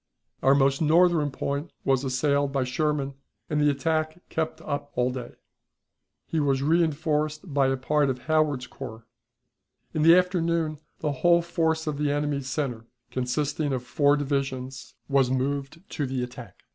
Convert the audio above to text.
Our most northern point was assailed by Sherman, and the attack kept up all day. He was reënforced by a part of Howard's corps. In the afternoon the whole force of the enemy's center, consisting of four divisions, was moved to the attack.